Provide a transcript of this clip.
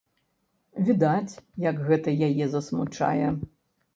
Відаць, як гэта яе засмучае.